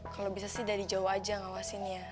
kalau bisa sih dari jauh aja ngawasinnya